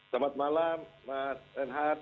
selamat malam mas renhat